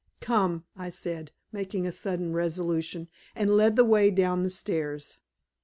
"Come," I said, making a sudden resolution, and led the way down the stairs.